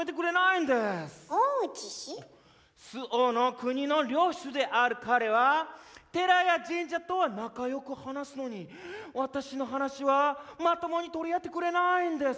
周防国の領主である彼は寺や神社とは仲良く話すのに私の話はまともに取り合ってくれないんです。